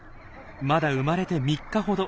まだ生まれて３日ほど。